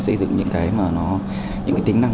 xây dựng những cái mà nó những cái tính năng